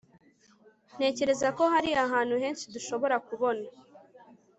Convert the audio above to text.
Ntekereza ko hari ahantu henshi dushobora kubona